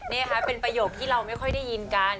นี่ค่ะเป็นประโยคที่เราไม่ค่อยได้ยินกัน